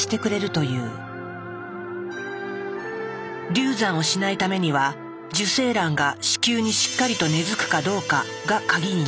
流産をしないためには受精卵が子宮にしっかりと根づくかどうかが鍵になる。